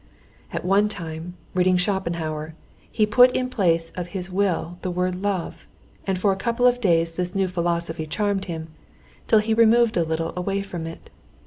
At one time, reading Schopenhauer, he put in place of his will the word love, and for a couple of days this new philosophy charmed him, till he removed a little away from it.